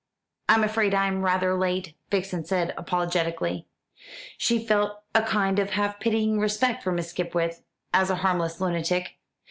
"I'm afraid I'm rather late," Vixen said apologetically. She felt a kind of half pitying respect for Miss Skipwith, as a harmless lunatic.